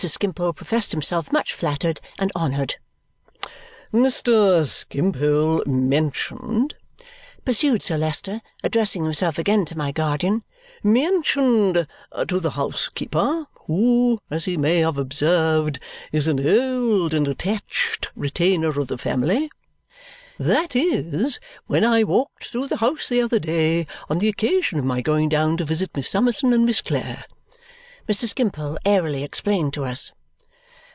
Skimpole professed himself much flattered and honoured. "Mr. Skimpole mentioned," pursued Sir Leicester, addressing himself again to my guardian, "mentioned to the housekeeper, who, as he may have observed, is an old and attached retainer of the family " ("That is, when I walked through the house the other day, on the occasion of my going down to visit Miss Summerson and Miss Clare," Mr. Skimpole airily explained to us.)